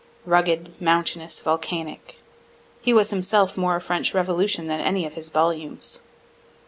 Rugged, mountainous, volcanic, he was himself more a French revolution than any of his volumes.